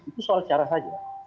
itu soal cara saja